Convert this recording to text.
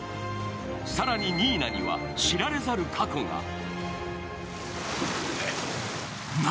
更に、新名には知られざる過去が。